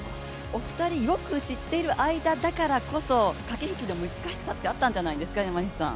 お二人よく知っている間だからこそ駆け引きの難しさってあったんじゃないですか。